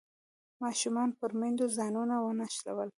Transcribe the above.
ماشومانو پر میندو ځانونه ونښلول.